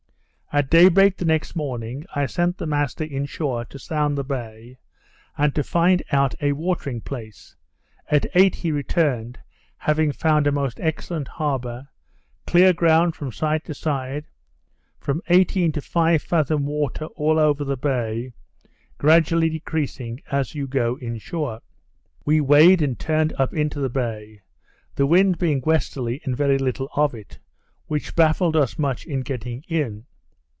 At day break the next morning, I sent the master in shore to sound the bay, and to find out a watering place; at eight he returned, having found a most excellent harbour, clear ground from side to side, from eighteen to five fathom water all over the bay, gradually decreasing as you go in shore. We weighed and turned up into the bay; the wind being westerly, and very little of it, which baffled us much in getting in.